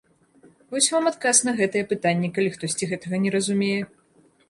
Вось вам адказ на гэтае пытанне, калі хтосьці гэтага не разумее.